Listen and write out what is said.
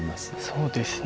そうですね。